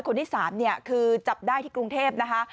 คนที่๓เนี่ยคือจับได้ที่กรุงเทพนะคะ